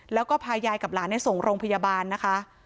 แล้วก็พายายกับหลานส่งโรงพยาบาลนะคะ